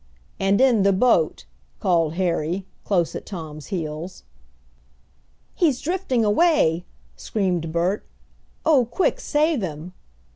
"And in the boat," called Harry, close at Tom's heels. "He's drifting away!" screamed Bert. "Oh, quick, save him!"